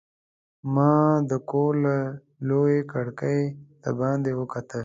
ما د کور له لویې کړکۍ د باندې وکتل.